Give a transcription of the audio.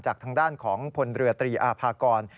จากทางด้านของพลเรือตรีอาภากร